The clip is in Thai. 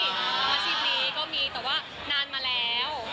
อาชีพนี้ก็มีแต่ว่านานมาแล้ว